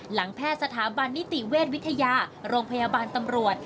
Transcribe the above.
แพทย์สถาบันนิติเวชวิทยาโรงพยาบาลตำรวจ